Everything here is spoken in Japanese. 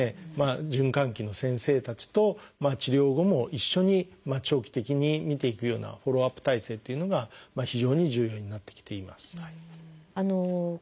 循環器の先生たちと治療後も一緒に長期的に見ていくようなフォローアップ体制っていうのが非常に重要になってきています。